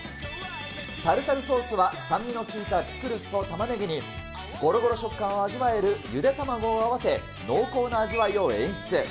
タルタルソースは酸味の効いたピクルスとたまねぎに、ごろごろ食感を味わえるゆで卵を合わせ、濃厚な味わいを演出。